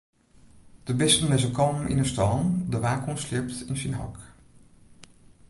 De bisten lizze kalm yn 'e stâlen, de waakhûn sliept yn syn hok.